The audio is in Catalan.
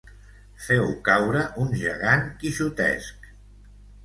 Feu caure un gegant quixotesc.